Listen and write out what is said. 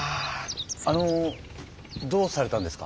あのどうされたんですか？